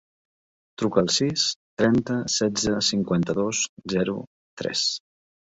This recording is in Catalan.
Truca al sis, trenta, setze, cinquanta-dos, zero, tres.